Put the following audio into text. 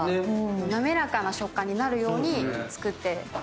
滑らかな食感になるように作ってる。